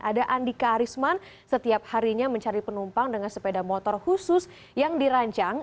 ada andika arisman setiap harinya mencari penumpang dengan sepeda motor khusus yang dirancang